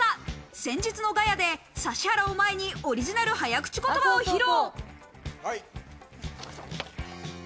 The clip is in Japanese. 先日の『ガヤ』で指原を前にオリジナル早口言葉を披露。